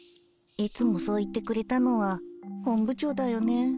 いつもそう言ってくれたのは本部長だよね。